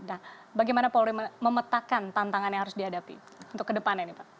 nah bagaimana polri memetakan tantangan yang harus dihadapi untuk kedepannya nih pak